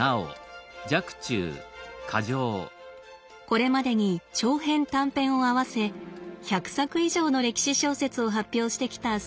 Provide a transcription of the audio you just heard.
これまでに長編短編を合わせ１００作以上の歴史小説を発表してきた澤田さん。